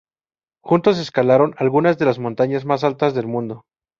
Juntos escalaron algunas de las montañas más altas del mundo.